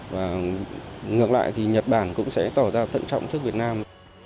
và ngược lại thì nhật bản cũng sẽ tỏ ra thận trọng trước việt nam